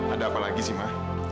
ada apa lagi sih mbak